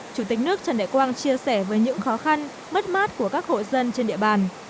chủ tịch nước trần đại quang chia sẻ với những khó khăn mất mát của các hộ dân trên địa bàn